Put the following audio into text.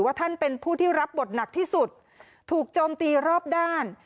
ท่านเป็นผู้ที่รับบทหนักที่สุดถูกโจมตีรอบด้าน